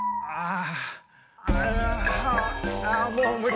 ああ。